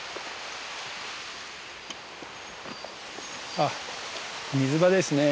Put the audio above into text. あっ水場ですね。